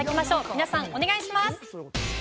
皆さんお願いします。